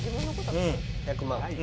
１００万。